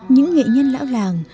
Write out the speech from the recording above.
những nghệ nhân lão làng